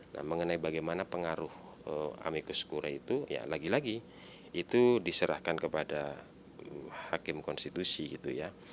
nah mengenai bagaimana pengaruh amikus kura itu ya lagi lagi itu diserahkan kepada hakim konstitusi gitu ya